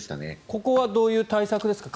ここはどういう対策ですか？